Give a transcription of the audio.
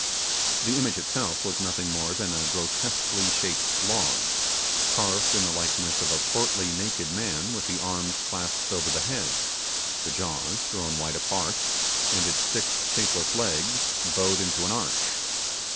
The image itself was nothing more than a grotesquely shaped log, carved in the likeness of a portly naked man with the arms clasped over the head, the jaws thrown wide apart, and its thick shapeless legs bowed into an arch.